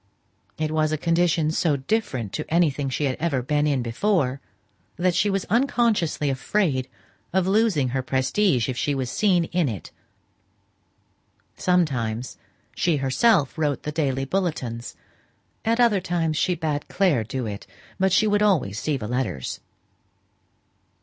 It was a condition so different to anything she had ever been in before, that she was unconsciously afraid of losing her prestige, if she was seen in it. Sometimes she herself wrote the daily bulletins; at other times she bade Clare do it, but she would always see the letters.